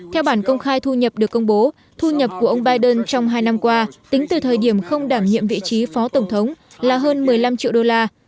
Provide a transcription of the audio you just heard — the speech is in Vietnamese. theo bản công khai thu nhập được công bố thu nhập của ông biden trong hai năm qua tính từ thời điểm không đảm nhiệm vị trí phó tổng thống là hơn một mươi năm triệu đô la